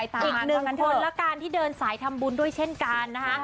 อีกหนึ่งคนละกันที่เดินสายทำบุญด้วยเช่นกันนะคะ